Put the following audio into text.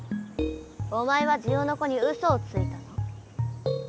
お前はジオノコにウソをついたな。